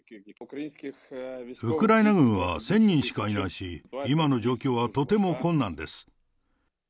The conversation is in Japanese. ウクライナ軍は１０００人しかいないし、今の状況はとても困難です。